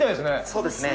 そうですね。